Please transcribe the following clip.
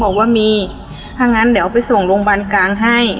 บอกว่ามีถ้างั้นเดี๋ยวไปส่งโรงพยาบาลกลางให้